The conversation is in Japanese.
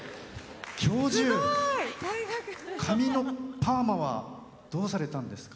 教授、髪のパーマはどうされたんですか？